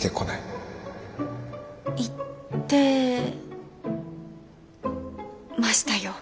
言ってましたよ。